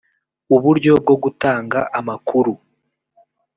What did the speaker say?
uburyo bwo gutanga amakuru